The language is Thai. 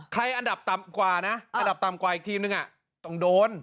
อันดับต่ำกว่านะอันดับต่ำกว่าอีกทีมนึงต้องโดน